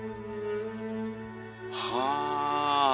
はあ。